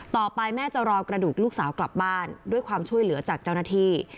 ต่อไปแม่จะรอกระดูกลูกสาวกลับบ้านด้วยความช่วยเหลือจากเจ้าหน้าที่